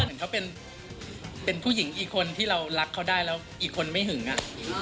เหมือนเขาเป็นผู้หญิงอีกคนที่เรารักเขาได้แล้วอีกคนไม่หึงอ่ะ